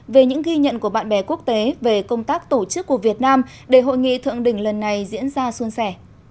về những ghi nhận của bạn bè quốc tế về công tác tổ chức của việt nam để hội nghị thượng đỉnh lần này diễn ra xuân sẻ